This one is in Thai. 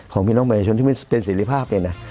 ของพี่น้องประชาชนที่ไม่เป็นสิริภาพเนี่ยนะ